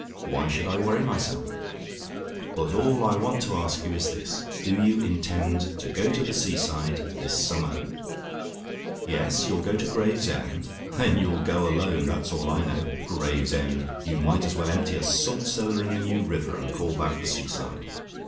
Why should I worry myself? "But all I want to ask you is this: do you intend to go to the sea side this summer? "YES? YOU'LL GO TO GRAVESEND? "Then you'll go alone, that's all I know. Gravesend! You might as well empty a salt cellar in the New River, and call that the sea side.